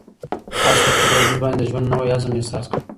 آس په خپل وجود باندې د ژوند نوی عزم احساس کړ.